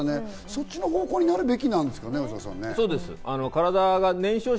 そっちの方向になるべきなんですけどね、小澤さん。